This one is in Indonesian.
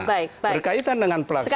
berkaitan dengan pelaksanaan